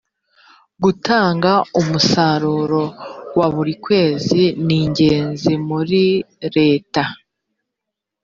gutanga umusanzu wa buri kwezi ningenzi muri reta.